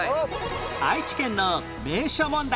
愛知県の名所問題